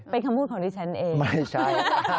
เป็นคำพูดของดิฉันเองไม่ใช่